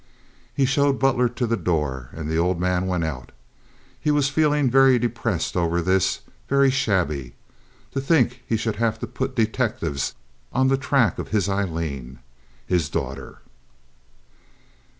He showed Butler to the door, and the old man went out. He was feeling very depressed over this—very shabby. To think he should have to put detectives on the track of his Aileen, his daughter!